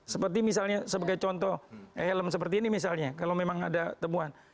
seperti misalnya sebagai contoh helm seperti ini misalnya kalau memang ada temuan